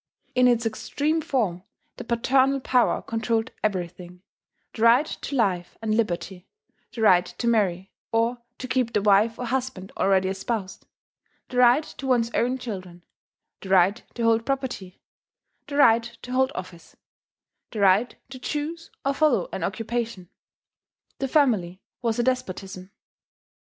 In its extreme form, the paternal power controlled everything, the right to life and liberty, the right to marry, or to keep the wife or husband already espoused, the right to one's own children, the right to hold property, the right to hold office, the right to choose or follow an occupation. The family was a despotism.